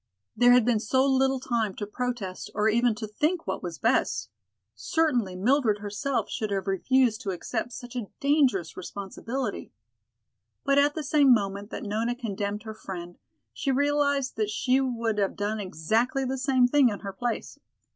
There had been so little time to protest or even to think what was best. Certainly Mildred herself should have refused to accept such a dangerous responsibility. But at the same moment that Nona condemned her friend, she realized that she would have done exactly the same thing in her place.